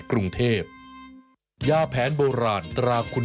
ข้าวใจใคร